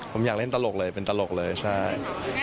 ผมอยากเล่นตลกเลยเป็นตลกเลยใช่